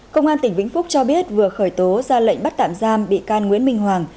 công an tỉnh vĩnh phúc cho biết vừa khởi tố ra lệnh bắt tạm giam bị can nguyễn minh hoàng